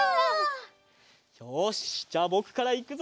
よしじゃあぼくからいくぞ！